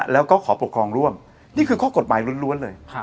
แล้วก็ขอปกครองร่วมนี่คือข้อกฎหมายล้วนเลย